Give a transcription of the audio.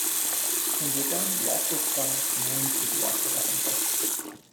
In return Yaqub promised to name his city after the hunter.